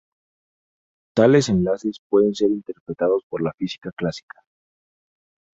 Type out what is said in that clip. Tales enlaces pueden ser interpretados por la física clásica.